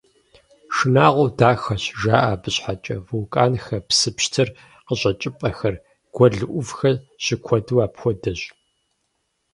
«Шынагъуэу дахэщ» жаӀэ абы щхьэкӀэ: вулканхэр, псы пщтыр къыщӀэкӀыпӀэхэр, гуэл Ӏувхэр щыкуэду апхуэдэщ.